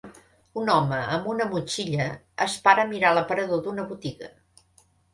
Un home amb una motxilla es para a mirar l'aparador d'una botiga.